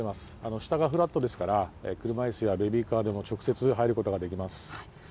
下がフラットですから、車いすやベビーカーでも直接入ることができます。